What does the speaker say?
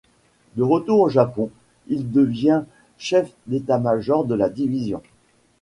De retour au Japon, il devient chef d'État-major de la division.